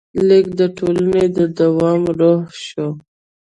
لیک د ټولنې د دوام روح شو.